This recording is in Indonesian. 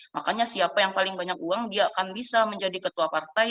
makanya siapa yang paling banyak uang dia akan bisa menjadi ketua partai